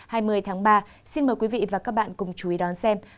sóng biển cao từ một năm đến hai năm m